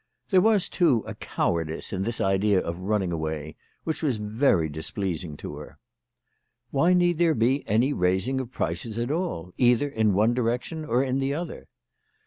There was, too, a cowardice in this idea of running away which was very dis pleasing to her. Why need there be any raising of prices at all, either in one direction or in the other?